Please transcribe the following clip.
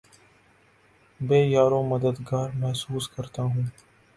بے یارومددگار محسوس کرتا ہوں